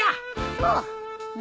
そう。